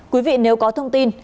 quý vị nếu có thông tin